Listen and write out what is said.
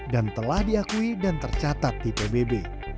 dan telah diakui dan tercatat di pbb